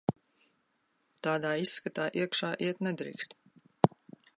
Tādā izskatā iekšā iet nedrīkst.